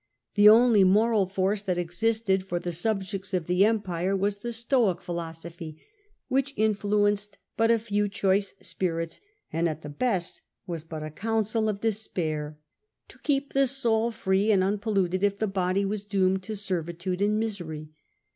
The only moral force that existed for the subjects of the empire was the Stoic philosophy, which influenced but a few choice spirits, and at the best was but a counsel of despair — ^to keep the soul free and unpolluted if the body was doomed to servitude and misery.